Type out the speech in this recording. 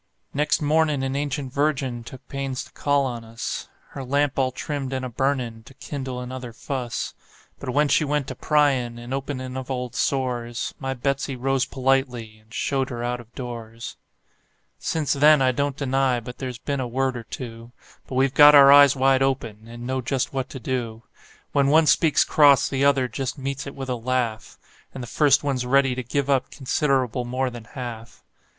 Next mornin' an ancient virgin took pains to call on us, Her lamp all trimmed and a burnin' to kindle another fuss; But when she went to pryin' and openin' of old sores, My Betsey rose politely, and showed her out of doors. "MY BETSEY ROSE POLITELY, AND SHOWED HER OUT OF DOORS." Since then I don't deny but there's been a word or two; But we've got our eyes wide open, and know just what to do: When one speaks cross the other just meets it with a laugh, And the first one's ready to give up considerable more than half.